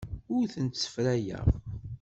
Ur tent-ssefrayeɣ.